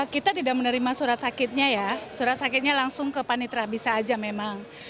kita tidak menerima surat sakitnya ya surat sakitnya langsung ke panitra bisa aja memang